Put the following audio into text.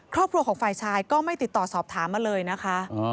ครอบครัวของฝ่ายชายก็ไม่ติดต่อสอบถามมาเลยนะคะ